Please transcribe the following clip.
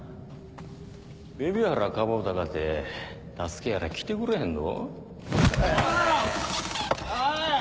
海老原かぼうたかて助けやら来てくれへんど。